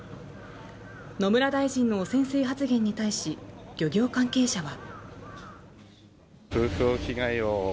野村大臣の汚染水発言に対し漁業関係者は。